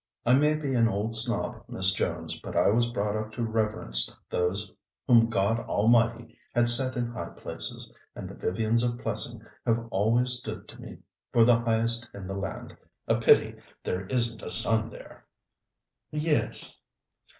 I may be an old snob, Miss Jones, but I was brought up to reverence those whom God Almighty had set in high places, and the Vivians of Plessing have always stood to me for the highest in the land. A pity there isn't a son there!" "Yes."